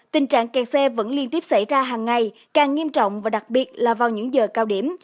tình trạng kẹt xe vẫn liên tiếp xảy ra hàng ngày càng nghiêm trọng và đặc biệt là vào những giờ cao điểm